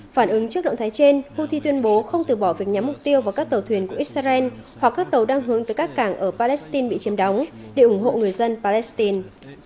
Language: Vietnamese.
phản ứng trước động thái trên houthi tuyên bố không từ bỏ việc nhắm mục tiêu vào các tàu thuyền của israel hoặc các tàu đang hướng tới các cảng ở palestine bị chiếm đóng để ủng hộ người dân palestine